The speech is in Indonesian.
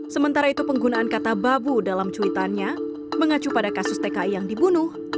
sementara itu penggunaan kata babu dalam cuitannya mengacu pada kasus tki yang dibunuh